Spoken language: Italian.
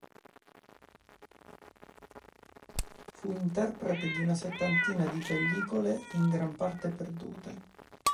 Fu interprete di una settantina di pellicole in gran parte perdute.